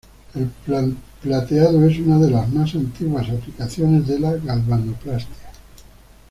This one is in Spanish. El plateado es una de las más antiguas aplicaciones de la galvanoplastia.